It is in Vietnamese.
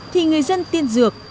thì người dân tiên dược